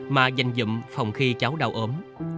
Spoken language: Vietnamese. mà dành dụng phòng khi cháu đau ốm